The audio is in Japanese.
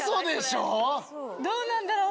どうなんだろ？